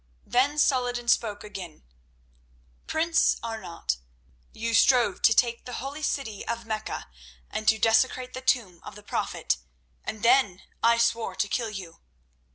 Then Saladin spoke again. "Prince Arnat, you strove to take the holy city of Mecca and to desecrate the tomb of the Prophet, and then I swore to kill you.